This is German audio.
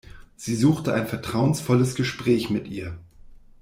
Sie suchte ein vertrauensvolles Gespräch mit ihr.